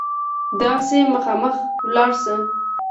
دغسې مخامخ لاړ شه.